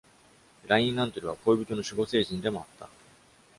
ラインラントでは恋人の守護聖人でもあった。